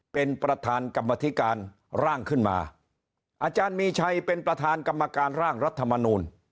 เป็นประธานกรรมธิการร่างขึ้นมาอาจารย์มีชัยเป็นประธานกรรมการร่างรัฐมนูล